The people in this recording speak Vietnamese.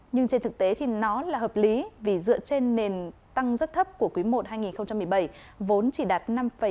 nhưng trên thực tế thì nó là hợp lý vì dựa trên nền tăng rất thấp của quý mục hai nghìn một mươi bảy vốn chỉ đạt năm một mươi năm